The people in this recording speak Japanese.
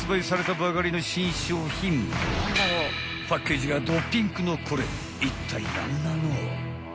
［パッケージがドピンクのこれいったい何なの？］